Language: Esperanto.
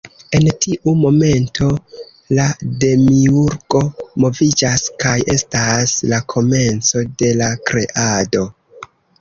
En tiu momento la Demiurgo moviĝas kaj estas la komenco de la Kreado.